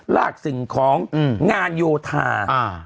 ลากสิ่งของงานโยธา